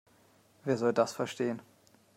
Wer soll das verstehen?